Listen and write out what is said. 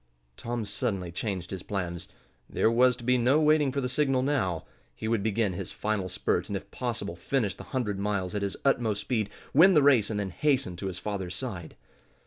Tom suddenly changed his plans. There was to be no waiting for the signal now. He would begin his final spurt, and if possible finish the hundred miles at his utmost speed, win the race and then hasten to his father's side.